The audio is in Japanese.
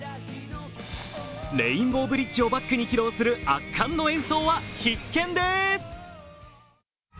レインボーブリッジをバックに披露する圧巻の演奏は必見です。